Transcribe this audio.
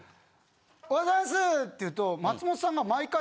「おはようございます！」って言うと松本さんが毎回。